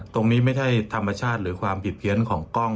ตรงนี้ไม่ใช่ธรรมชาติหรือความผิดเพี้ยนของกล้อง